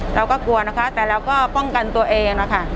เราก็กลัวนะคะแต่เราก็ป้องกันตัวเองนะคะ